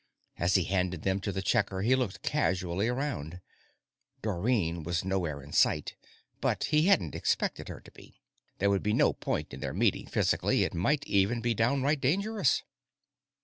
As he handed them to the checker, he looked casually around. Dorrine was nowhere in sight, but he hadn't expected her to be. There would be no point in their meeting physically; it might even be downright dangerous.